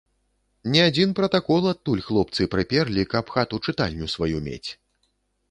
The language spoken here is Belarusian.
Не адзін пратакол адтуль хлопцы прыперлі, каб хату-чытальню сваю мець.